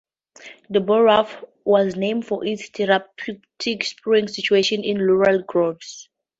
The borough was named for its therapeutic springs situated in laurel groves.